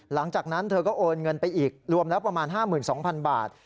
หลังจากนั้นเธอก็โอนเงินไปอีกรวมแล้วประมาณ๕๒๐๐๐บาท